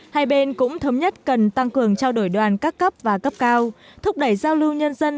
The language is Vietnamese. hai bên cũng thống nhất cần tăng cường trao đổi đoàn các cấp và cấp cao thúc đẩy giao lưu nhân dân